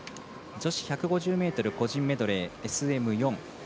女子１５０ｍ個人メドレーＳＭ４。